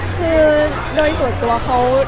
คือโดยส่วนตัวเขา